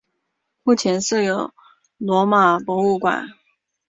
目前设有罗马博物馆。